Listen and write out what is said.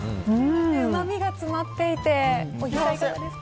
うまみが詰まっていて尾木さん、いかがですか。